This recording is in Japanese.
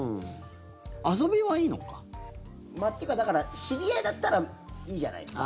遊びはいいのか。というか、だから知り合いだったらいいじゃないですか。